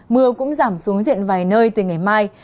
mưa cũng giảm xuống diện vài nơi từ ngày mai